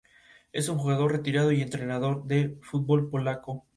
Entonces consideró esa mezquita, surgida de un palacio, demasiado exuberante y lujosa.